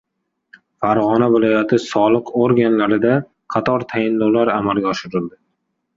Farg‘ona viloyati soliq organlarida qator tayinlovlar amalga oshirildi